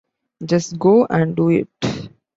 Just go and do it.